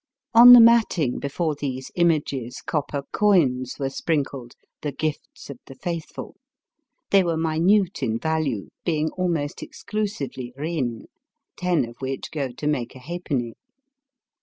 On the matting before these images copper coins were sprinkled, the gifts of the faithful. They were minute in value, being almost exclusively rin^ ten of which go to make a halfpenny.